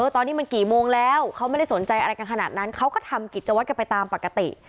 ตอนนี้มันกี่โมงแล้วเขาไม่ได้สนใจอะไรกันขนาดนั้นเขาก็ทำกิจวัตรกันไปตามปกติ